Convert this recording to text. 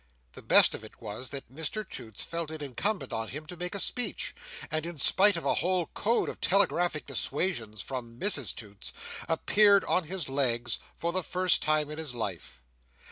The best of it was, that Mr Toots felt it incumbent on him to make a speech; and in spite of a whole code of telegraphic dissuasions from Mrs Toots, appeared on his legs for the first time in his life.